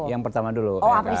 yang pertama dulu